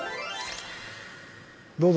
どうぞ。